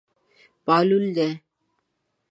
معلول دی.